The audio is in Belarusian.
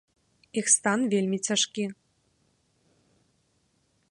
Іх стан вельмі цяжкі.